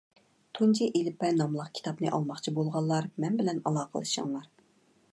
«تۇنجى ئېلىپبە» ناملىق كىتابنى ئالماقچى بولغانلار مەن بىلەن ئالاقىلىشىڭلار.